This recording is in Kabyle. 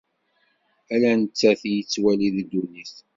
Ala nettat i yettwali deg ddunit.